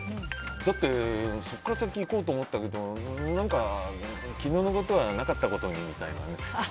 だって、そこから先いこうと思ったけど何か昨日のことはなかったことにみたいな。